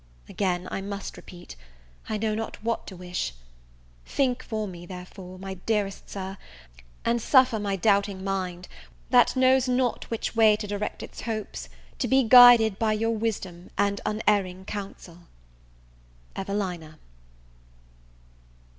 Again I must repeat, I know not what to wish; think for me, therefore, my dearest Sir, and suffer my doubting mind, that knows not which way to direct its hopes, to be guided by your wisdom and unerring counsel. EVELINA.